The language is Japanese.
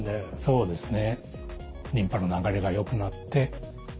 そうですね。